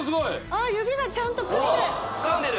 あっ指がちゃんとつかんでる！